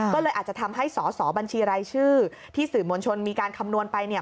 ก็เลยอาจจะทำให้สอสอบัญชีรายชื่อที่สื่อมวลชนมีการคำนวณไปเนี่ย